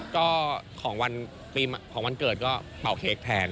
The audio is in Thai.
ก็ของวันเกิดก็เป่าเค้กแทน